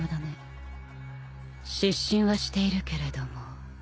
失神はしているけれども